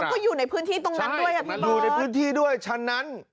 ก็อยู่ในพื้นที่ตรงนั้นด้วยอ่ะพี่บอลอยู่ในพื้นที่ด้วยฉะนั้น